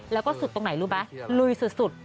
แล้วก็สุดตรงไหนรู้ไหมลุยสุด